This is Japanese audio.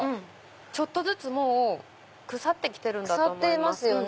ちょっとずつ腐って来てるんだと思います。